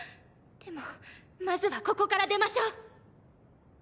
でもまずはここから出ましょう。